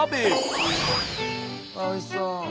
おいしそう。